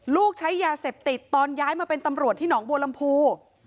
ใช้ยาเสพติดตอนย้ายมาเป็นตำรวจที่หนองบัวลำพู